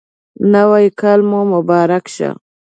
نوی کال مو مبارک شه